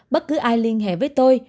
bất cứ ai liên hệ với tôi